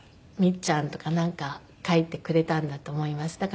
みっちゃん」とかなんか書いてくれたんだと思います。